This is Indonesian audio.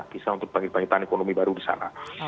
bisa untuk bangkit bangkitan ekonomi baru di sana